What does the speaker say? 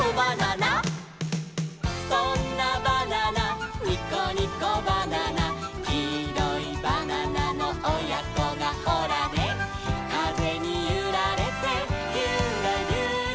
「そんなバナナニコニコバナナ」「きいろいバナナのおやこがホラネ」「かぜにゆられてユラユラ」